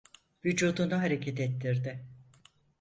Vücudunu hareket ettirdi.